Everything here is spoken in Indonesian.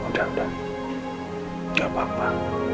udah udah gak apa apa